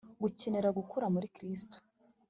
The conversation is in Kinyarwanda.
gukenera gukura muri Kristo.